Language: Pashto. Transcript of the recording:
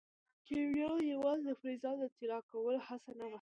کیمیا یوازې د فلزاتو د طلا کولو هڅه نه وه.